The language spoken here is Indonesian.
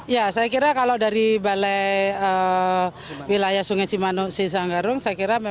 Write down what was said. saya kira kalau dari balai wilayah sungai cimanuk